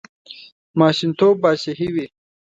ماشومتوب پاچاهي وي.